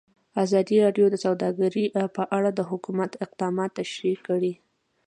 ازادي راډیو د سوداګري په اړه د حکومت اقدامات تشریح کړي.